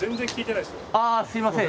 あすいません。